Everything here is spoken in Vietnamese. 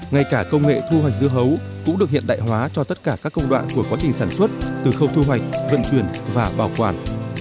ngay cả công nghệ thu hoạch dưa hấu cũng được hiện đại hóa cho tất cả các công đoạn của quá trình sản xuất từ khâu thu hoạch vận chuyển và bảo quản